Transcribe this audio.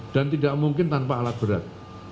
dan tidak mungkin tanpa alat berat